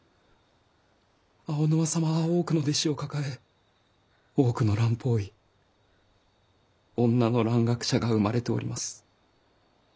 青沼様は多くの弟子を抱え多くの蘭方医女の蘭学者が生まれております。